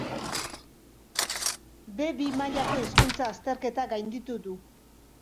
B bi mailako hizkuntza azterketa gainditu du.